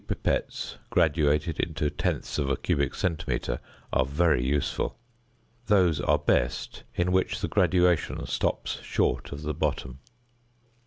pipettes graduated into tenths of a cubic centimetre are very useful: those are best in which the graduation stops short of the bottom.